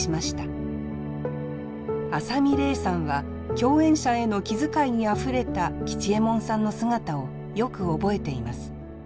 麻実れいさんは共演者への気遣いにあふれた吉右衛門さんの姿をよく覚えています。